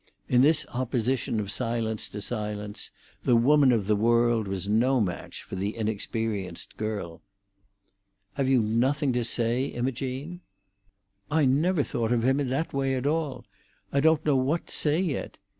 In this opposition of silence to silence, the woman of the world was no match for the inexperienced girl. "Have you nothing to say, Imogene?" "I never thought of him in that way at all. I don't know what to say yet.